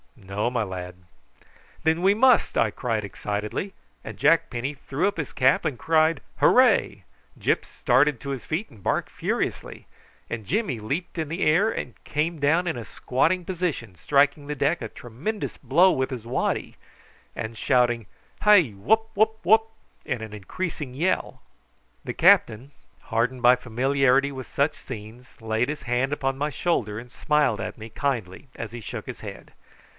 "No, my lad." "Then we must," I cried excitedly; and Jack Penny threw up his cap and cried "Hooray!" Gyp started to his feet and barked furiously, and Jimmy leaped in the air, came down in a squatting position, striking the deck a tremendous blow with his waddy, and shouting "Hi wup, wup wup," in an increasing yell. The captain, hardened by familiarity with such scenes, laid his hand upon my shoulder, and smiled at me kindly as he shook his head.